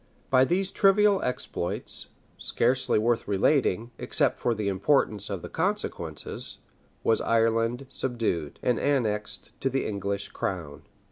By these trivial exploits, scarcely worth relating, except for the importance of the consequences, was Ireland subdued, and annexed to the English crown.